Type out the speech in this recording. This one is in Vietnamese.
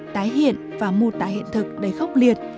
tái hiện và mô tả hiện thực đầy khốc liệt